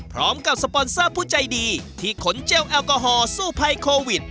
พร้อมกับสปอนเซอร์ผู้ใจดีที่ขนเจลแอลกอฮอลสู้ภัยโควิด